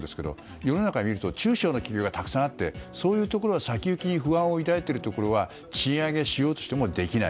世の中を見ると中小の企業がたくさんあってそういうところ、先行きに不安を抱いているところは賃上げしようとしてもできない。